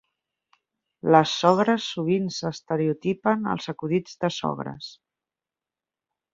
Les sogres sovint s'estereotipen als acudits de sogres.